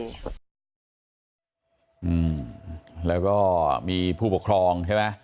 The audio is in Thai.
อืมแล้วก็มีผู้ปกครอง